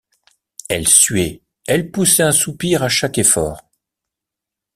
Elle suait, elle poussait un soupir à chaque effort.